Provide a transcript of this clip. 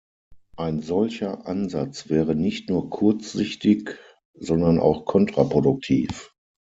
Ein solcher Ansatz wäre nicht nur kurzsichtig, sondern auch kontraproduktiv.